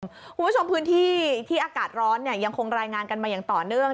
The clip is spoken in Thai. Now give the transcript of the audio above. คุณผู้ชมพื้นที่ที่อากาศร้อนยังคงรายงานกันมาอย่างต่อเนื่อง